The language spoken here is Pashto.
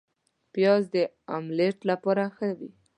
پیاز د املیټ لپاره ښه وي